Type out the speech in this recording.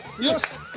よし！